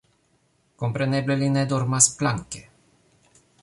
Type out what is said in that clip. Kompreneble, li ne dormas planke.